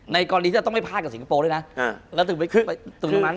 ในกรณีที่เราไม่พลาดกับสิงห์โปโก้ด้วยนะ